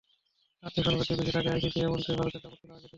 আর্থিক সংগতি বেশি থাকায় আইসিসিতে এমনিতেই ভারতের দাপট ছিল আগে থেকেই।